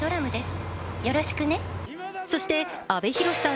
そして阿部寛さん